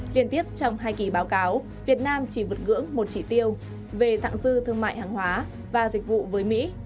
liên tiếp trong hai kỳ báo cáo việt nam chỉ vượt ngưỡng một chỉ tiêu về thẳng dư thương mại hàng hóa và dịch vụ với mỹ